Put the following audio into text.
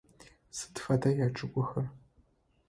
Сыд фэда ячӏыгухэр?